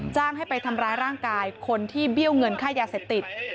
จ้างให้ไปทำร้ายร่างกายคนที่เบี้ยวเงินค่ายาเสพติด